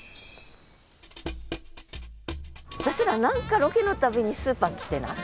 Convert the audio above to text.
私ら何かロケの度にスーパー来てない？